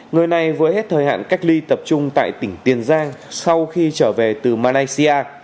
người này với hết thời hạn cách ly tập trung tại tỉnh tiền giang sau khi trở về từ malaysia